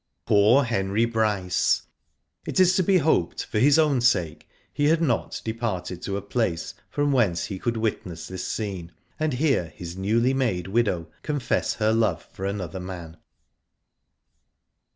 Poor Henry Bryce. It is to be hoped, for hi^ own sake, he had not departed to a place from whence he could witness this scene, and hear hi§ newly made widow confess her love for another man.